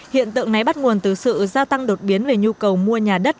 hiện tượng này bắt nguồn từ sự gia tăng đột biến về nhu cầu mua nhà đất